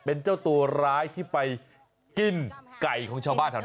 เป็นเจ้าตัวร้ายที่ไปกินไก่ของชาวบ้านแถวนั้น